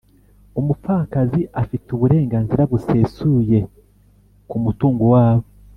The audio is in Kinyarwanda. umupfakazi afite uburenganzira busesuye ku mu tungo wabo;